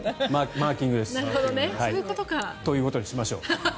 マーキングです。ということにしましょう。